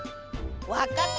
わかった！